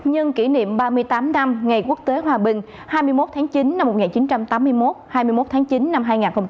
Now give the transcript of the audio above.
nhân kỷ niệm ba mươi tám năm ngày quốc tế hòa bình hai mươi một tháng chín năm một nghìn chín trăm tám mươi một hai mươi một tháng chín năm hai nghìn hai mươi